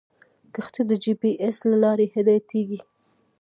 کښتۍ د جي پي ایس له لارې هدایتېږي.